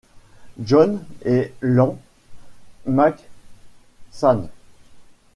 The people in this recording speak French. John et Ian McShane.